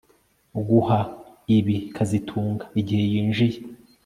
Guha ibi kazitunga igihe yinjiye